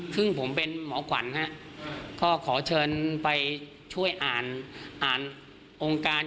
ซึ่งผมเป็นหมอขวัญก็ขอเชิญไปช่วยอ่านอ่านองค์การ